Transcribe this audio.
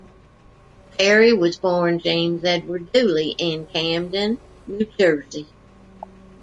Perry was born James Edward Dooley in Camden, New Jersey.